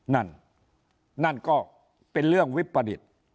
นั่นนั่นก็เป็นเรื่องวิปดิษฐ์